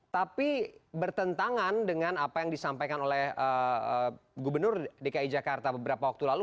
tapi bertentangan dengan apa yang disampaikan oleh gubernur dki jakarta beberapa waktu lalu